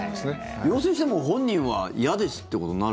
要請しても、本人は嫌ですってことなる。